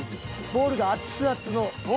ボールが熱々の。